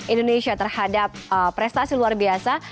indonesia terhadap prestasi luar biasa